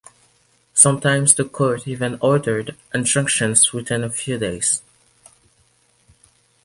Sometimes the court even ordered injunctions within a few days.